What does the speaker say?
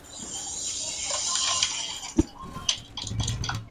Cada nota musical lleva asociado aparte de su correspondiente tono un color.